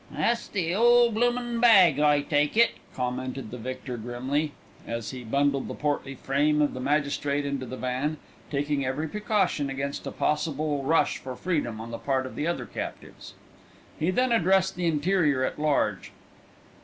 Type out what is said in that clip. "That's the 'ole bloomin' bag, I take it," commented the victor grimly, as he bundled the portly frame of the magistrate into the van, taking every precaution against a possible rush for freedom on the part of the other captives. He then addressed the interior at large.